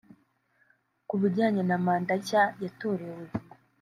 Ku bijyanye na manda nshya yatorewe